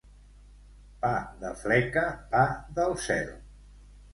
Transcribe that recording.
Pa de fleca, pa del cel.